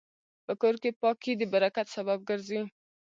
په کور کې پاکي د برکت سبب ګرځي.